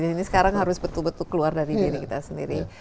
ini sekarang harus betul betul keluar dari diri kita sendiri